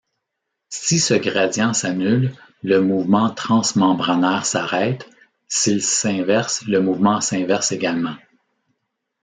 Si ce gradient s'annule, le mouvement transmembranaire s'arrête, s'il s'inverse le mouvement s'inverse également.